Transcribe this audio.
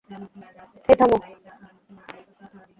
এই, থামো।